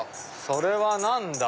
それは何だ？